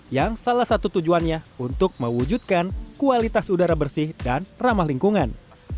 yang salah satu tujuannya untuk mewujudkan kualitas udara bersih dan ramah lingkungan